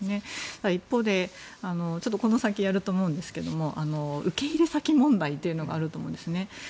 ただ一方でこの先やると思うんですけれども受け入れ先問題というのがあると思うんですね。